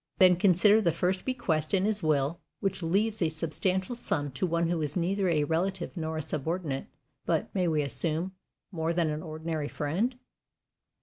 Then consider the first bequest in his will, which leaves a substantial sum to one who was neither a relative nor a subordinate, but may we assume more than an ordinary friend?